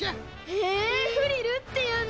へえフリルっていうんだ。